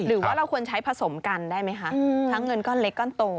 หรือว่าเราควรใช้ผสมกันได้ไหมคะทั้งเงินก้อนเล็กก้อนโต